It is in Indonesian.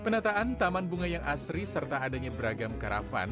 penataan taman bunga yang asri serta adanya beragam karavan